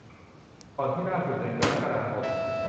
ก่อนที่ล่าสุด เดือนกรกฎาคม